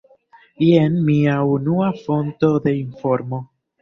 Jen mia unua fonto de informo.